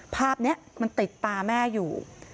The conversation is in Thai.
ภาพนี้มันติดตาแม่อยู่